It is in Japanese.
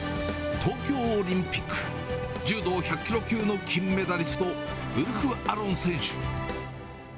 東京オリンピック、柔道１００キロ級の金メダリスト、ウルフ・アロン選手。